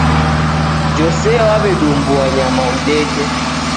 Jose waw'edumbua nyama udeke